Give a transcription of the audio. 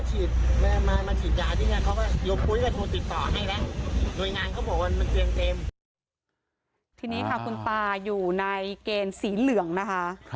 ทีนี้ค่ะคุณตาอยู่ในเกณฑ์สีเหลืองนะคะ